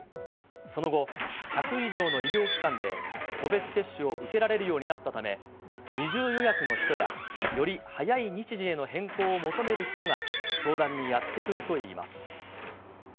その後、１００以上の医療機関で、個別接種を受けられるようになったため、二重予約の人や、より早い日時への変更を求める人が、相談にやって来るといいます。